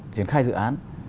triển khai dự án